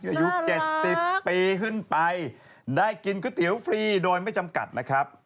อายุ๗๐ปีขึ้นไปได้กินก๋วยเตี๋ยวฟรีโดยไม่จำกัดนะครับ